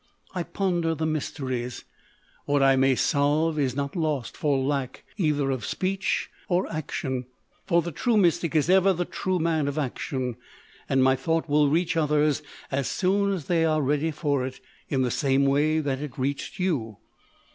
I ponder the mysteries. What I may solve is not lost for lack either of speech or action, for the true mystic is ever the true man of action, and my thought will reach others as soon as they are ready for it in the same way that it reached you.